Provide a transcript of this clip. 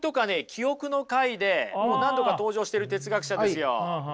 記憶の回で何度か登場している哲学者ですよ。